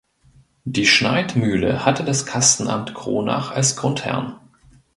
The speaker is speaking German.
Die Schneidmühle hatte das Kastenamt Kronach als Grundherrn.